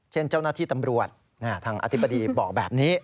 เจ้าหน้าที่ตำรวจทางอธิบดีบอกแบบนี้